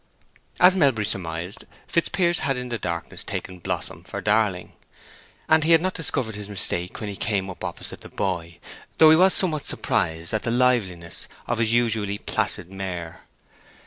As Melbury surmised, Fitzpiers had in the darkness taken Blossom for Darling, and he had not discovered his mistake when he came up opposite the boy, though he was somewhat surprised at the liveliness of his usually placid mare.